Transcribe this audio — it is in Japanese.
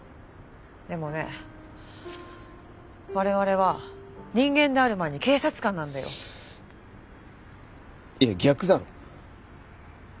でもね我々は人間である前に警察官なんだよ。いや逆だろ。